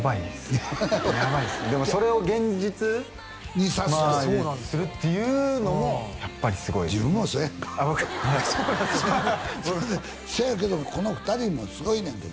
もそれを現実にするっていうのもやっぱりすごい自分もそうやんかせやけどこの２人もすごいねんて